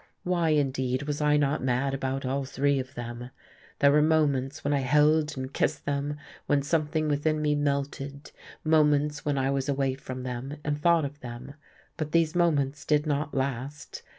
Why, indeed, was I not mad about all three of them? There were moments when I held and kissed them, when something within me melted: moments when I was away from them, and thought of them. But these moments did not last.